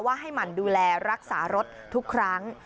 ให้หมั่นดูแลรักษารถทุกครั้ง